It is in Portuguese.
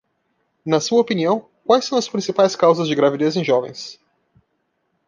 Na sua opinião, quais são as principais causas de gravidez em jovens?